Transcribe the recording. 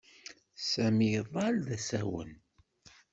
Sami iḍall d asawen.